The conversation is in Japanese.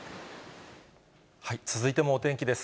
続いてもお天気です。